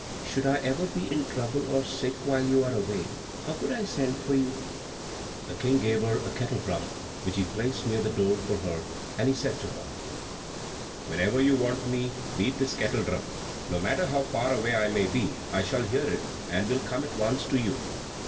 Should I ever be in trouble or sick while you are away, how could I send for you?" The King gave her a kettle drum which he placed near the door for her, and he said to her, "Whenever you want me, beat this kettle drum. No matter how far away I may be, I shall hear it, and will come at once to you."